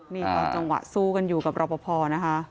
นี่ค่ะจังหวะสู้กันอยู่กับรอบพพ่อนะฮะ